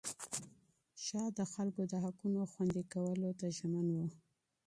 شاه د خلکو د حقونو خوندي کولو ته ژمن و.